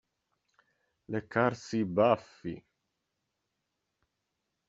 Leccarsi i baffi.